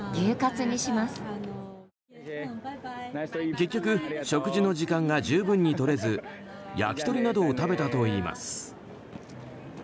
結局、食事の時間が十分に取れず焼き鳥などを食べたといいます。